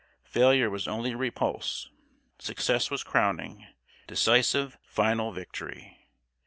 Failure was only repulse; success was crowning, decisive, final victory.